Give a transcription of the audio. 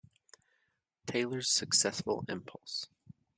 Taylor's successful Impulse!